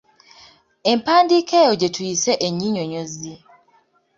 Empandiika eyo gye tuyise ennyinnyonyozi.